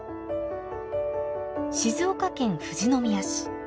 静岡県富士宮市。